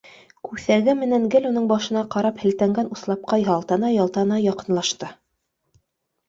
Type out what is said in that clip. Күҫәге менән гел уның башына ҡарап һелтәнгән уҫлапҡа ялтана-ялтана, яҡынлашты